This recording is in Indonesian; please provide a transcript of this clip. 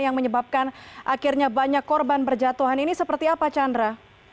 yang menyebabkan akhirnya banyak korban berjatuhan ini seperti apa chandra